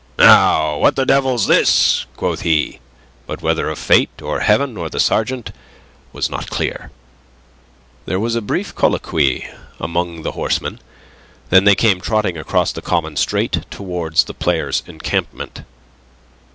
"Now, what the devil's this?" quoth he, but whether of Fate or Heaven or the sergeant, was not clear. There was a brief colloquy among the horsemen, then they came trotting across the common straight towards the players' encampment.